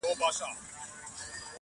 په غیرت مو لاندي کړي وه ملکونه-